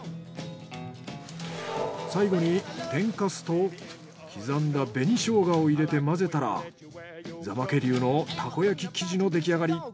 最後に天かすと刻んだ紅ショウガを入れて混ぜたら座間家流のたこ焼き生地の出来上がり。